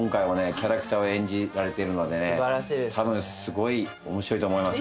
キャラクターを演じられてるのでたぶんすごい面白いと思います。